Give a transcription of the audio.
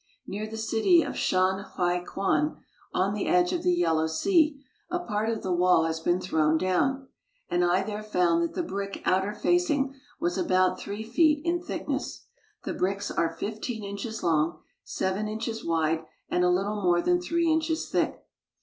Near the city of. Shanhaikwan on the edge of the Yellow Sea, a part of the wall has been thrown down ; and I there found that the brick outer facing was about three feet in thickness. The bricks are fifteen inches long, seven inches wide, and a lit tle more than three inches thick.